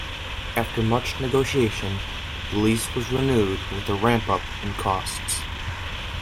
After much negotiation, the lease was renewed, with a ramp up in costs.